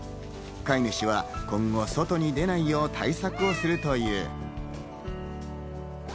飼い主は今後、外に出ないよう対策をするという。